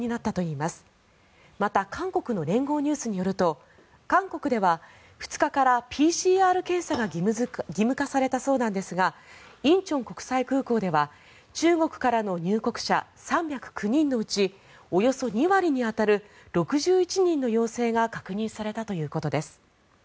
また韓国の連合ニュースによると韓国では２日からＰＣＲ検査が義務化されたそうですが仁川国際空港では中国からの入国者３０９人のうちおよそ２割に当たる６１人の陽性が確認されたということです。